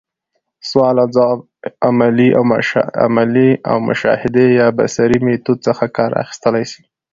سوال اوځواب، عملي او مشاهدي يا بصري ميتود څخه کار اخستلاي سي.